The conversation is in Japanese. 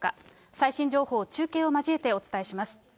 最新情報を中継を交えてお伝えします。